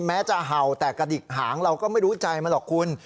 แม้จะเห่าแต่กระดิกหางเราก็ไม่รู้ใจมันหรอกคุณ